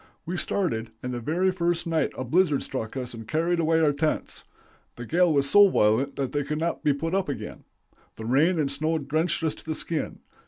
We started, and the very first night a blizzard struck us and carried away our tents. The gale was so violent that they could not be put up again; the rain and snow drenched us to the skin.